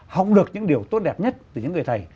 học được những điều tốt đẹp nhất từ những người thầy